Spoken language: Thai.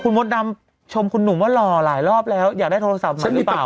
มดดำชมคุณหนุ่มว่าหล่อหลายรอบแล้วอยากได้โทรศัพท์มาฉันหรือเปล่า